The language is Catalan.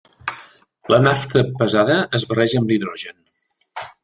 La nafta pesada es barreja amb hidrogen.